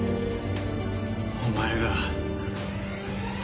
お前が。